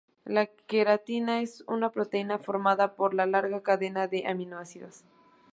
La queratina es una proteína formada por una larga cadena de aminoácidos.